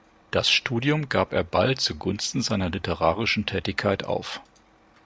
Das Studium gab er bald zugunsten seiner literarischen Tätigkeit auf.